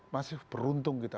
masih beruntung kita